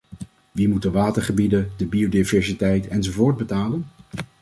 Wie moet de watergebieden, de biodiversiteit enzovoort betalen?